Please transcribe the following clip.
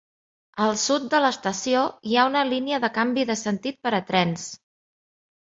Al sud de l'estació hi ha una línia de canvi de sentit per a trens.